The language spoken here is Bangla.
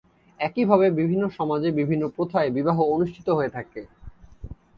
একইভাবে বিভিন্ন সমাজে বিভিন্ন প্রথায় বিবাহ অনুষ্ঠিত হয়ে থাকে।